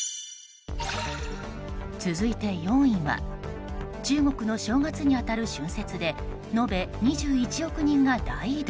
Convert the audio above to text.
続いて４位は中国の正月に当たる春節で延べ２１億人が大移動。